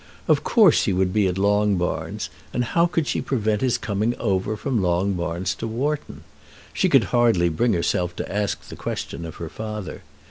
Of course he would be at Longbarns, and how could she prevent his coming over from Longbarns to Wharton? She could hardly bring herself to ask the question of her father.